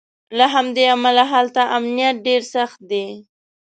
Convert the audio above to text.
له همدې امله هلته امنیت ډېر سخت دی.